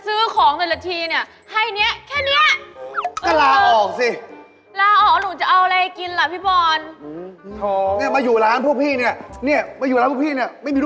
เออให้เงินไปซื้อของเดินละทีนี่